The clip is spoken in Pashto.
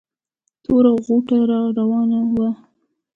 توره غوټه را راوانه وه.